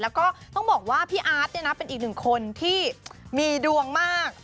แล้วก็ต้องบอกว่าพี่อาร์ตเนี่ยนะเป็นอีกหนึ่งคนที่มีดวงมาก